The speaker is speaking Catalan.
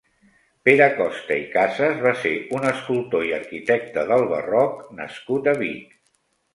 Pere Costa i Cases va ser un escultor i arquitecte del barroc nascut a Vic.